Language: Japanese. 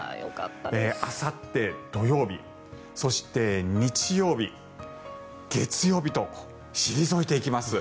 あさって土曜日そして、日曜日、月曜日と退いていきます。